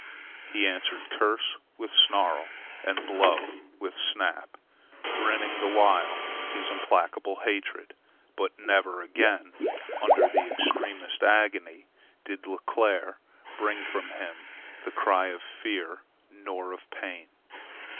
He answered curse with snarl, and blow with snap, grinning the while his implacable hatred; but never again, under the extremest agony, did Leclere bring from him the cry of fear nor of pain.